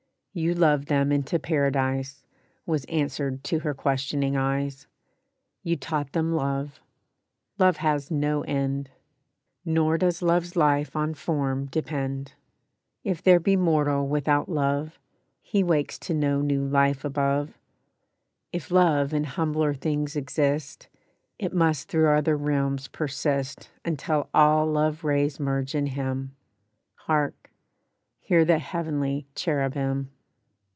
"YOU LOVED THEM INTO PARADISE," Was answered to her questioning eyes; "You taught them love; love has no end! Nor does love's life on form depend. If there be mortal without love, He wakes to no new life above. If love in humbler things exist, It must through other realms persist Until all love rays merge in HIM. Hark! Hear the heavenly Cherubim!"